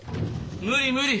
無理無理！